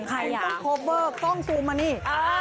คุณต้องคอเวิร์ดต้องซูมมานี่